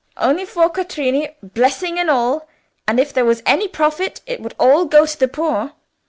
"Only four quattrini, blessing and all—and if there was any profit, it would all go to the poor."